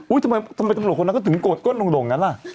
อุ๊ยทำไมทั้งหมดคนนั้นก็ถึงโกรธก้นด่งนั้นล่ะ